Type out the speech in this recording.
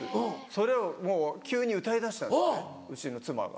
それを急に歌い出したんですうちの妻が。